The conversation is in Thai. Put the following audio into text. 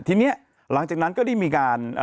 ทีนี้หลังจากนั้นก็ได้มีการ